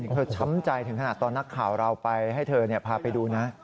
ช้ำใจถึงขนาดตอนนักข่าวเราไปให้เธอพาไปดูนะ